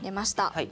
はい。